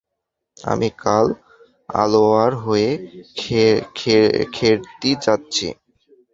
আমি কাল আলোয়ার হয়ে খেতড়ি যাচ্ছি।